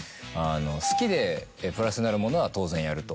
好きでプラスになるものは当然やる。